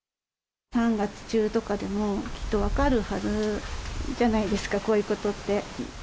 ３月中とかでも、きっと分かるはずじゃないですか、こういうことって。